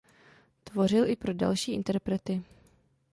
Tvořil i pro další interprety.